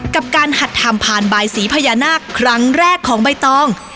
กับการหัดทำผ่านบายสีพญานาคครั้งแรกของใบตอง